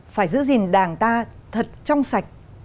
phải giữ gìn đảng ta thật trong sạch